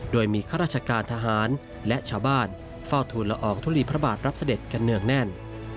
โดยมีข้าราชการทหารและชาวบ้านเฝ้าทูลละอองทุลีพระบาทรับเสด็จกันเนืองแน่น